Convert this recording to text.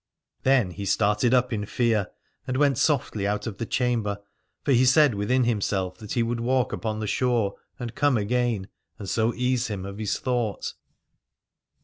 Then he started up in T 289 Aladore fear and went softly out of the chamber, for he said within himself that he would walk upon the shore and come again, and so ease him of his thought.